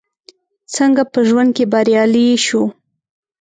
څنګه په ژوند کې بريالي شو ؟